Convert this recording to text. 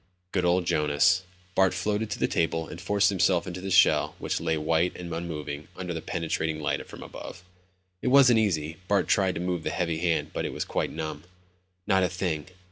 Good old Jonas. Bart floated to the table and forced himself into the shell which lay white and unmoving under the penetrating light from above. It wasn't easy, Bart tried to move the heavy hand, but it was quite numb. "Not a thing.